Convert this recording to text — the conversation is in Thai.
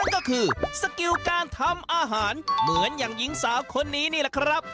ก็คือสกิลการทำอาหารเหมือนอย่างหญิงสาวคนนี้นี่แหละครับ